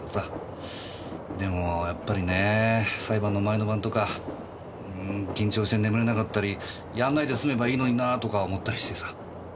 でもやっぱりね裁判の前の晩とか緊張して眠れなかったりやんないで済めばいいのになとか思ったりしてさ。